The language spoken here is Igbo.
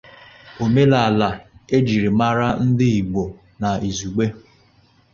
omenala na njirimara ndị Igbo n'izùgbe